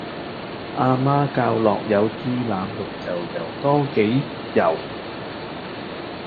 阿媽教落有豬腩肉就游多幾游